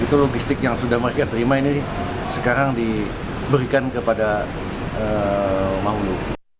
itu logistik yang sudah mereka terima ini sekarang diberikan kepada mahulu